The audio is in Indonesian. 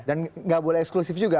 dan tidak boleh eksklusif juga